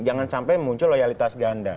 jangan sampai muncul loyalitas ganda